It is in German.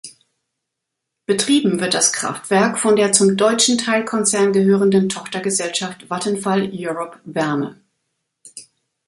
Betrieben wird das Kraftwerk von der zum deutschen Teilkonzern gehörenden Tochtergesellschaft Vattenfall Europe Wärme.